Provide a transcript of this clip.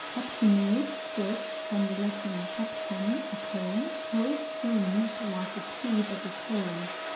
Pectinate (foot) — From the Latin, pecteUf a comb. Toes fringed like the teeth of a comb.